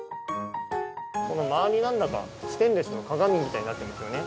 この周りなんだかステンレスの鏡みたいになってますよね。